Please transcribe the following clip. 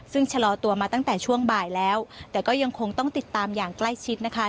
ซึ่งชะลอตัวมาตั้งแต่ช่วงบ่ายแล้วแต่ก็ยังคงต้องติดตามอย่างใกล้ชิดนะคะ